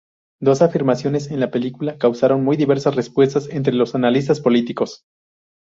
Dos afirmaciones en la película causaron muy diversas respuestas entre los analistas políticos.